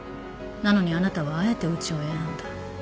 なのにあなたはあえてうちを選んだ。